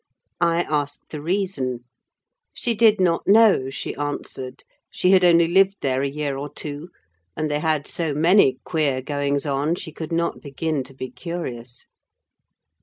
I asked the reason. She did not know, she answered: she had only lived there a year or two; and they had so many queer goings on, she could not begin to be curious.